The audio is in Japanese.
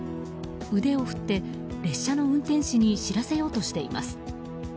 腕を振って、列車の運転士に知らせようとしています。